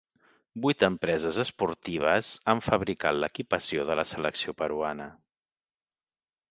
Vuit empreses esportives han fabricat l'equipació de la selecció peruana.